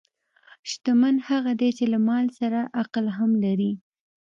شتمن هغه دی چې له مال سره عقل هم لري.